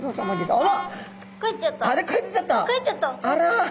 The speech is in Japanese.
あら！